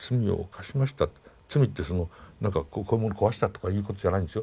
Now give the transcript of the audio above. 罪ってそのなんかこういうもの壊したとかいうことじゃないんですよ。